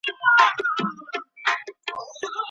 سمندري مارغان او وریځې به